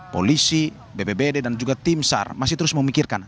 polisi bpbd dan juga tim sar masih terus memikirkan